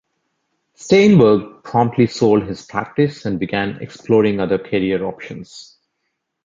Steinberg promptly sold his practice and began exploring other career options.